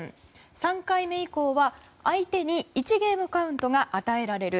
３回目以降は相手に１ゲームカウントが与えられる。